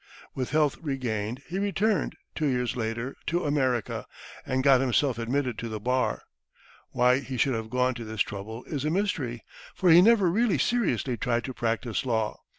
With health regained, he returned, two years later, to America, and got himself admitted to the bar. Why he should have gone to this trouble is a mystery, for he never really seriously tried to practise law.